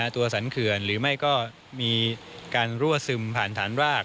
สันเขื่อนหรือไม่ก็มีการรั่วซึมผ่านฐานราก